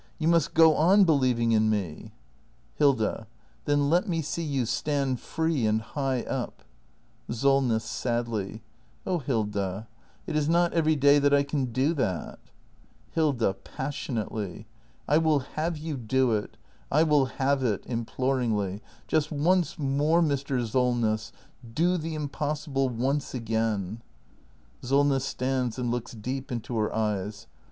You must go on believing in me! 428 THE MASTER BUILDER [act hi Hilda. Then let me see you stand free and high up! SOLNESS. [Sadly.] Oh Hilda — it is not every day that I can do that. Hilda. [Passionately.] I will have you do it! I will have it! [Imploringly.] Just once more, Mr. Solness! Do the impossible once again ! Solness. [Stands and looks deep into her eyes.